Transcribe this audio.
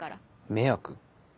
迷惑？